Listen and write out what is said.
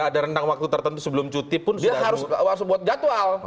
dia harus buat jadwal